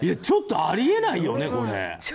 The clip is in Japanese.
ちょっとあり得ないよね。